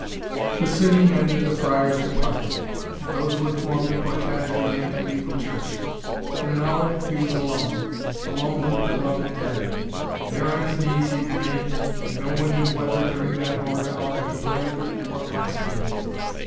The singing ended the friars departed, and those who had formed the cortege began to leave the church. In an hour he was alone, alone with the beloved dead, and there on his knees he remained, and no one knew whether, during that horrid hour, he prayed or blasphemed.